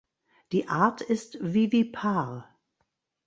Die Art ist vivipar.